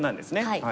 はい。